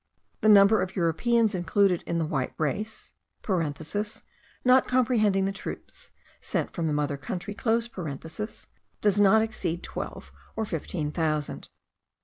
The number of Europeans included in the white race (not comprehending the troops sent from the mother country) does not exceed twelve or fifteen thousand.